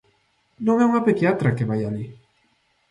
Non é unha pediatra que vai alí.